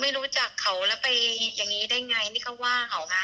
ไม่รู้จักเขาแล้วไปอย่างนี้ได้ไงก็ว่าเขานะ